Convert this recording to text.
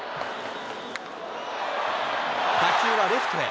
打球はレフトへ。